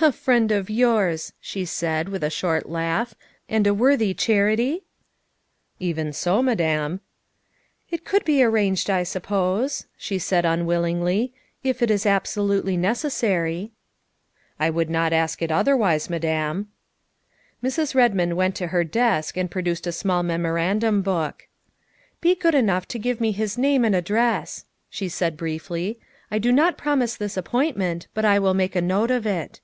"A friend of yours," she said with a short laugh, " and a worthy charity?" " Even so, Madame." " It could be arranged, I suppose," she said unwill ingly, " if it is absolutely necessary." " I should not ask it otherwise, Madame." Mrs. Redmond went to her desk and produced a small memorandum book. " Be good enough to give me his name and address," she said briefly. " I do not promise this appointment, but I will make a note of it."